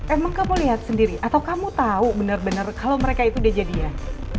emang kamu liat sendiri atau kamu tau bener bener kalau mereka itu udah jadian